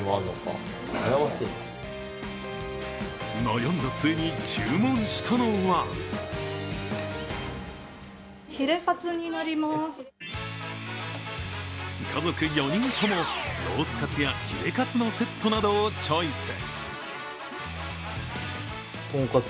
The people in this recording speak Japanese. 悩んだ末に注文したのは家族４人とも、ロースかつやヒレかつのセットなどをチョイス。